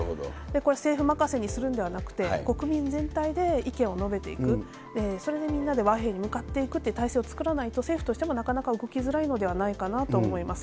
これは政府任せにするんではなくて、国民全体で意見を述べていく、それでみんなで和平に向かっていくっていう体制を作らないと、政府としてもなかなか動きづらいのではないかなと思います。